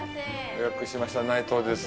予約しました内藤です。